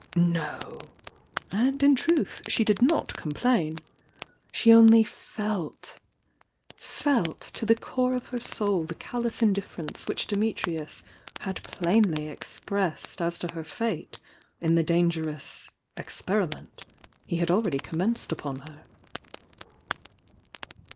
No! — and in truth ihe did not complain, — she only felt — felt, to the t re of her soul the callous indif ference which Dunitrius had plainly expressed as to her fate in the dangerous "experiment" he had already commenced upon her.